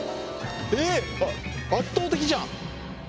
えっ圧倒的じゃん。